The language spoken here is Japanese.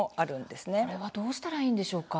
これはどうしたらいいんでしょうか？